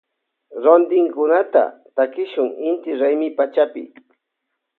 Rontinkunata takishun inti raymi pachapi.